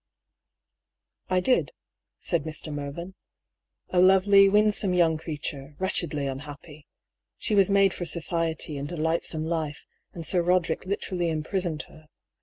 I did," said Mr. Mervyn. " A lovely, winsome young creature; wretchedly unhappy. She was made for society and a lightsome life, and Sir Roderick literally imprisoned her.